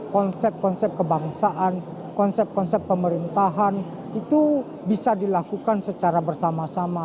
konsep konsep kebangsaan konsep konsep pemerintahan itu bisa dilakukan secara bersama sama